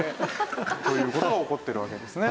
こういう事が起こってるわけですね。